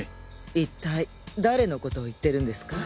一体誰のことを言ってるんですか？